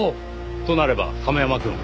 となれば亀山くん。